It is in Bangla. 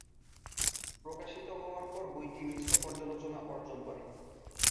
প্রকাশিত হওয়ার পর বইটি মিশ্র পর্যালোচনা অর্জন করে।